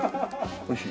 おいしい？